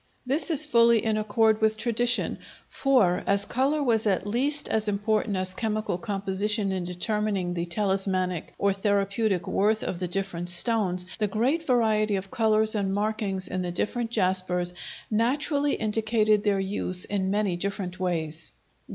This is fully in accord with tradition, for, as color was at least as important as chemical composition in determining the talismanic or therapeutic worth of the different stones, the great variety of colors and markings in the different jaspers naturally indicated their use in many different ways.